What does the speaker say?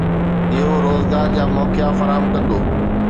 اهو روزگار جا موقعا فراهم ڪندو